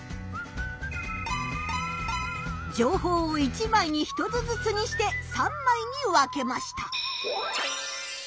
情報を１枚に１つずつにして３枚に分けました。